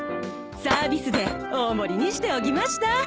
サービスで大盛りにしておきました。